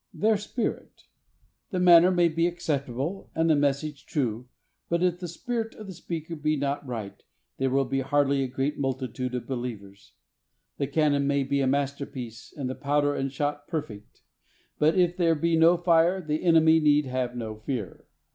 Their spirit. The manner may be ac ceptable and the message true, but if the spirit of the speaker be not right there will hardly be a "great multitude" of believers. The cannon may be a masterpiece and the powder and shot perfect, but if there be no fire, the enemy need have no fear.